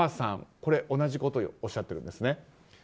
これ、同じことをおっしゃってるんですね。